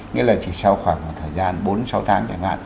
nghĩa là chỉ sau khoảng một thời gian bốn sáu tháng